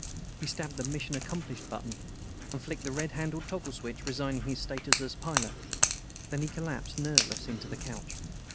He stabbed the MISSION ACCOMPLISHED button, and flicked the red handled toggle switch, resigning his status as pilot. Then he collapsed, nerveless, into the couch.